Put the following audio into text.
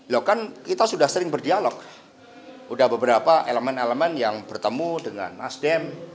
loh kan kita sudah sering berdialog sudah beberapa elemen elemen yang bertemu dengan nasdem